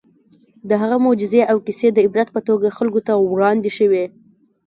د هغه معجزې او کیسې د عبرت په توګه خلکو ته وړاندې شوي.